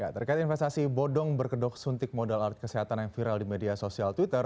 terkait investasi bodong berkedok suntik modal alat kesehatan yang viral di media sosial twitter